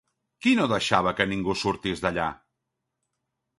Qui no deixava que ningú sortís d'allà?